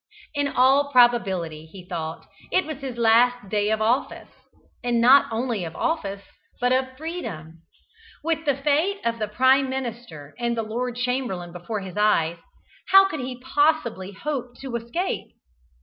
In all probability, he thought, it was his last day of office, and not only of office, but of freedom. With the fate of the Prime Minister and the Lord Chamberlain before his eyes, how could he possibly hope to escape?